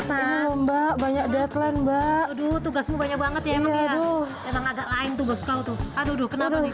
kenapa banyak deadline mbak tuh tugasmu banyak banget ya emang agak lain tuh aduh kenapa nih